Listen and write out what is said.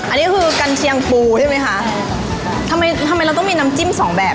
อันนี้คือกัญเชียงปูใช่ไหมคะใช่ทำไมทำไมเราต้องมีน้ำจิ้มสองแบบ